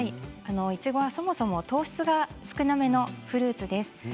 いちごはそもそも糖質が少なめのフルーツです。